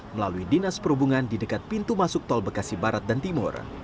melalui dinas perhubungan di dekat pintu masuk tol bekasi barat dan timur